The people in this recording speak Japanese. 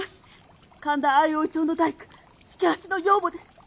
神田相生町の大工助八の女房です。